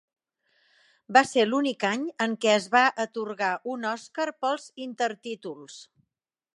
Va ser l'únic any en què es va atorgar un Oscar pels intertítols.